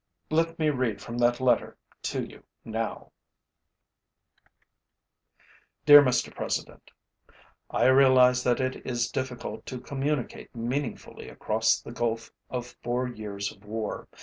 Let me read from that letter to you now: Dear Mr. President: I realize that it is difficult to communicate meaningfully across the gulf of four years of war.